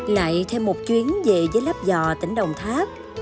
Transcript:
lại thêm một chuyến về với lắp dò tỉnh đồng tháp